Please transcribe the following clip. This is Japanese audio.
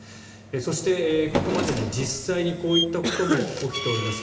そして、ここまでに実際にこういったことも起きております。